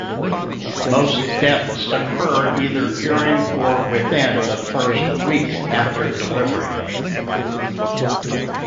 Most deaths occur either during or within the first weeks after delivery.